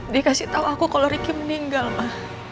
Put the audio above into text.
dikasih tau aku kalo rikim meninggal ma